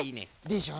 でしょ？